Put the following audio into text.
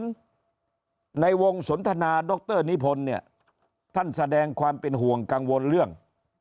เพราะฉะนั้นในวงสนทนาดรนิพลท่านแสดงความเป็นห่วงกังวลเรื่อง